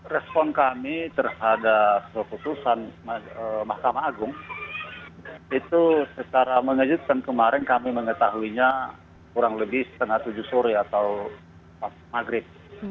respon kami terhadap keputusan mahkamah agung itu secara mengejutkan kemarin kami mengetahuinya kurang lebih setengah tujuh sore atau maghrib